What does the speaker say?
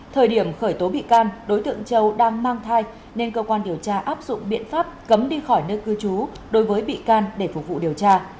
thời điểm khởi tố bị can đối tượng châu đang mang thai nên cơ quan điều tra áp dụng biện pháp cấm đi khỏi nơi cư trú đối với bị can để phục vụ điều tra